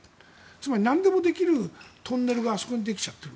つまりなんでもできるトンネルがあそこにできている。